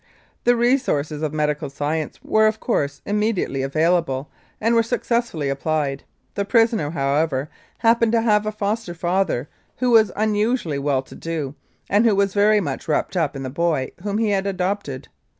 The resources of medical science were, of course, immediately available, and were successfully applied. The prisoner, however, happened to have a foster father who was unusually well to do, and who was very much wrapped up in the boy whom he had adopted.